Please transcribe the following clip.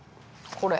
これ。